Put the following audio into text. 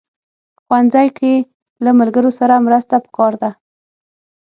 ښوونځی کې له ملګرو سره مرسته پکار ده